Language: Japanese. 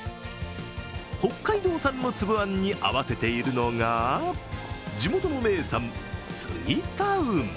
北海道産のつぶあんに合わせているのが地元の名産、杉田梅。